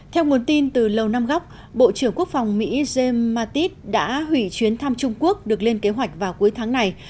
theo nguồn tin từ lầu năm góc bộ trưởng quốc phòng mỹ james mattis đã hủy chuyến thăm trung quốc được lên kế hoạch vào cuối tháng này